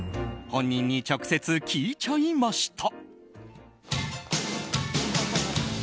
本人に直接聞いちゃいました。